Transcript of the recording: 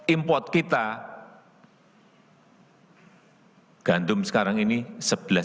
impor kita gantung sekarang ini sebelas juta ton